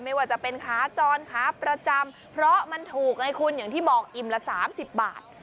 ไม่ว่าจะเป็นขาจรขาประจำเพราะมันถูกไงคุณอย่างที่บอกอิ่มละ๓๐บาท